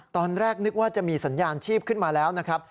ตอนแรกนึกว่าจะมีสัญญาณชีพขึ้นมาแล้วนะครับ